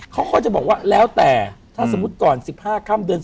เขาก็จะบอกว่าแล้วแต่ถ้าสมมุติก่อน๑๕ค่ำเดือน